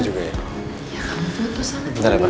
sebentar ya pak